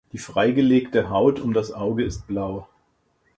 Die freigelegte Haut um das Auge ist blau.